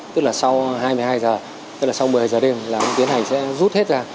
tức là sau hai mươi hai h tức là sau một mươi giờ đêm là ông tiến hành sẽ rút hết ra